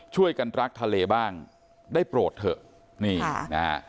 ช่วยกันรักทะเลบ้างได้โปรดเถอะ